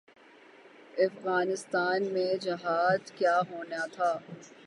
افغانستان میں جہاد کیا ہونا تھا۔